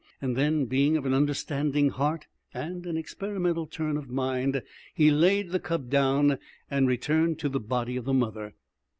And then, being of an understanding heart and an experimental turn of mind, he laid the cub down and returned to the body of the mother.